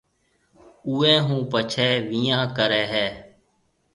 اُوئي هون پڇيَ ويهان ڪريَ هيَ۔